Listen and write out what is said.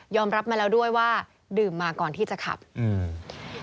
รับมาแล้วด้วยว่าดื่มมาก่อนที่จะขับอืม